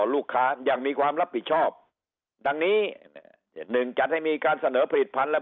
ลูกค้ายังมีความรับผิดชอบดังนี้หนึ่งจัดให้มีการเสนอผลิตภัณฑ์และ